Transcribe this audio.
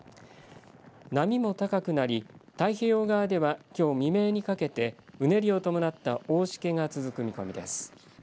波も高くなり、太平洋側ではきょう未明にかけてうねりを伴った大しけが続く見込みです。